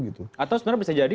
atau sebenarnya bisa jadi